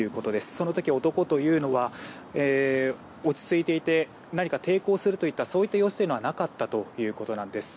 その時、男というのは落ち着いていて何か抵抗するといった様子はなかったということなんです。